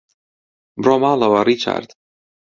بڕۆ ماڵەوە، ڕیچارد.